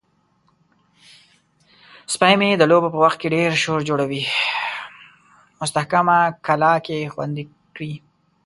مستحکمه کلا کې خوندې کړي.